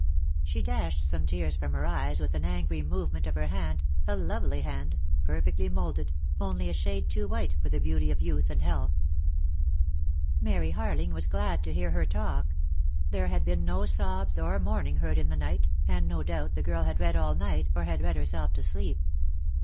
She dashed some tears from her eyes with an angry movement of her hand, a lovely hand, per fectly moulded, only a shade too white for the beauty of youth and health. Mary Harling was glad to hear her talk. There had been no sobs or moaning heard in the night, and no doubt the girl had read all night, or had read herself to sleep.